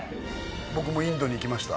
僕もインドに行きました。